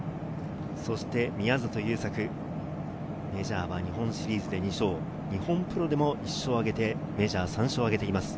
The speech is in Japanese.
そして宮里優作、メジャーは日本シリーズで２勝、日本プロでも１勝を挙げて、メジャー３勝を挙げています。